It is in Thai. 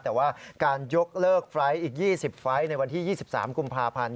แต่ว่าการยกเลิกไฟล์ทอีก๒๐ไฟล์ทในวันที่๒๓กุมภาพันธ์